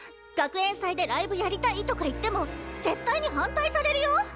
学園祭でライブやりたいとか言っても絶対に反対されるよ？